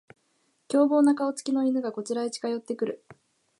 凶暴な顔つきの犬がこちらへ近寄ってくる